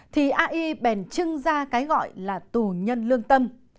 thì ai bèn chưng ra cái gọi là tù nhân lương tâm